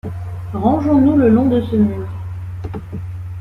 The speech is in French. Rangeons-nous le long de ce mur.